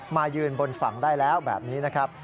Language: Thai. มายืนบนฝั่งได้แล้วแบบนี้นะครับ